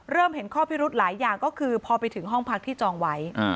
เห็นข้อพิรุธหลายอย่างก็คือพอไปถึงห้องพักที่จองไว้